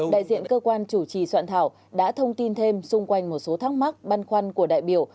đại diện cơ quan chủ trì soạn thảo đã thông tin thêm xung quanh một số thắc mắc băn khoăn của đại biểu